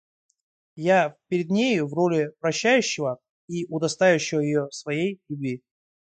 Я пред нею в роли прощающего и удостоивающего ее своей любви!..